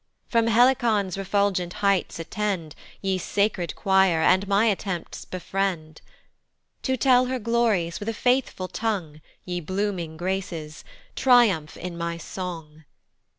From Helicon's refulgent heights attend, Ye sacred choir, and my attempts befriend: To tell her glories with a faithful tongue, Ye blooming graces, triumph in my song.